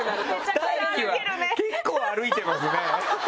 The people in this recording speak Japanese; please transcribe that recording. ２駅は結構歩いてますね。